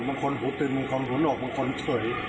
มันคนหูตื่นมันคนหูโหนกมันคนเผื่อย